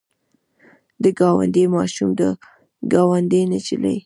د ګاونډي ماشوم د ګاونډۍ نجلۍ.